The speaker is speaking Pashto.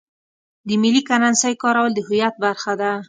د ملي کرنسۍ کارول د هویت برخه ده.